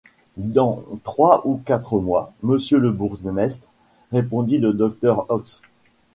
Dans trois ou quatre mois, monsieur le bourgmestre, répondit le docteur Ox.